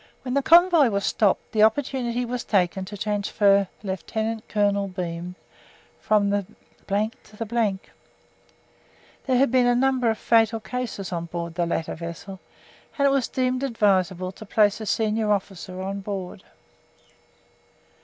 While the convoy was stopped, the opportunity was taken to transfer Lieutenant Colonel Bean from the to the . There had been a number of fatal cases on board the latter vessel, and it was deemed advisable to place a senior officer on board.